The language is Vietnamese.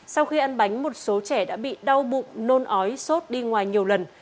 sau khi ăn bánh một số trẻ đã bị đau bụng nôn ói sốt đi ngoài nhiều lần